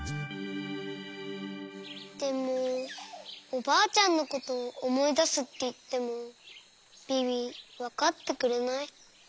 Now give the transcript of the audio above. でもおばあちゃんのことおもいだすっていってもビビわかってくれない。